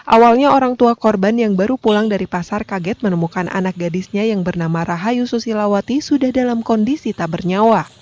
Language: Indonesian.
awalnya orang tua korban yang baru pulang dari pasar kaget menemukan anak gadisnya yang bernama rahayu susilawati sudah dalam kondisi tak bernyawa